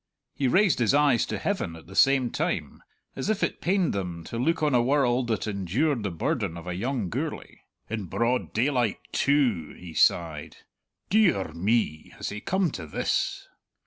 He raised his eyes to heaven at the same time, as if it pained them to look on a world that endured the burden of a young Gourlay. "In broad daylight, too!" he sighed. "De ar me, has he come to this?"